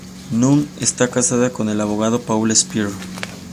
Nunn está casada con el abogado Paul Spear.